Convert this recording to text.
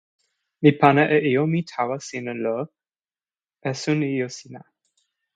mi pana e ijo mi tawa sina lo esun ijo sina.